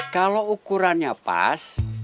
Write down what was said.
kalau ukurannya pas